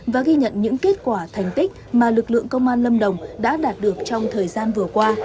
và ghi nhận những kết quả thành tích mà lực lượng công an lâm đồng đã đạt được trong thời gian vừa qua